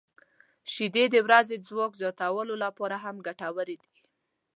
• شیدې د روحي ځواک زیاتولو لپاره هم ګټورې دي.